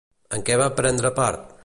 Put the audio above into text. En què va prendre part?